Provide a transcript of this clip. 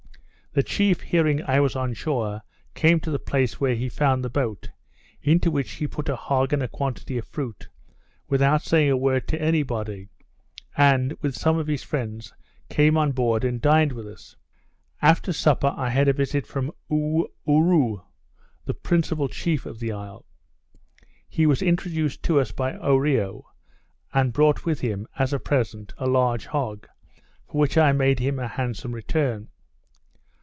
The chief hearing I was on shore, came to the place where he found the boat, into which he put a hog and a quantity of fruit, without saying a word to any body, and, with some of his friends, came on board, and dined with us. After dinner I had a visit from Oo oorou, the principal chief of the isle. He was introduced to us by Oreo, and brought with him, as a present, a large hog, for which I made him a handsome return.